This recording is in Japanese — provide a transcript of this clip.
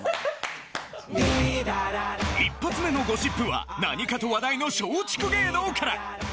一発目のゴシップは何かと話題の松竹芸能から！